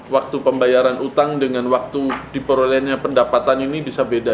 waktu pembayaran utang dengan waktu diperolehnya pendapatan ini bisa beda